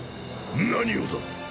何をだ？